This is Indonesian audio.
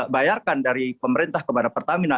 bayarkan dari pemerintah kepada pertamina